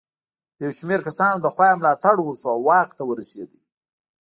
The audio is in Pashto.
د یو شمېر کسانو له خوا یې ملاتړ وشو او واک ته ورسېد.